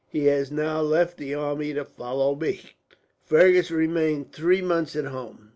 He has now left the army to follow me." Fergus remained three months at home.